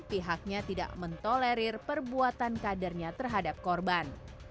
pihaknya tidak mentolerir perbuatan kadernya terhadap korban